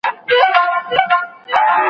مکمل یې خپل تحصیل په ښه اخلاص کئ